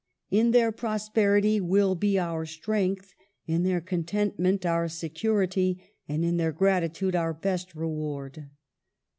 "In their prosperity will be our strength, in their contentment our security, and in their gratitude our best reward."